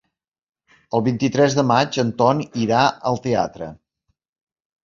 El vint-i-tres de maig en Ton irà al teatre.